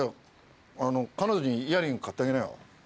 彼女にイヤリング買ってあげなよ。